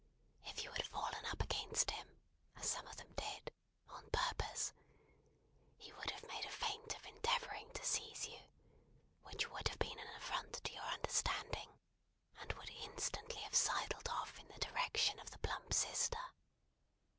If you had fallen up against him (as some of them did), on purpose, he would have made a feint of endeavouring to seize you, which would have been an affront to your understanding, and would instantly have sidled off in the direction of the plump sister.